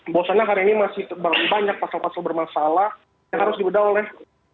bosannya hari ini masih banyak pasal pasal bermasalah yang harus dibedaulah